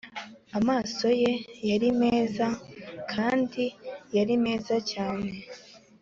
amaso ye yari meza, kandi yari meza cyane;